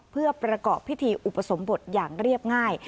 เพื่อประกอบพิธีอุปสมบทอย่างเรียบง่าย